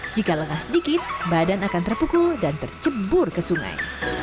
jika lengah sedikit badan akan terpukul dan tercebur ke sungai